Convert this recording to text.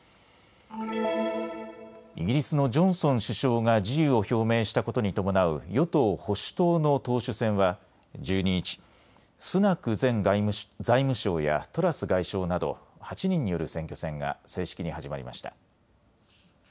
イギリスのジョンソン首相が辞意を表明したことに伴う与党・保守党の党首選は１２日、スナク前財務相やトラス外相など８人による選挙戦が正式に始まりました。